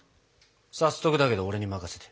早速だけど俺に任せて。